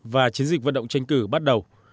và chiến dịch vận động tranh cử bắt đầu